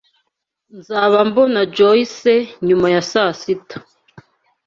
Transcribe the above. Nzaba mbona Joyce nyuma ya saa sita.